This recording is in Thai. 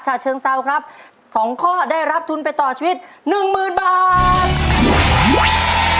เชิงเซาครับสองข้อได้รับทุนไปต่อชีวิตหนึ่งหมื่นบาท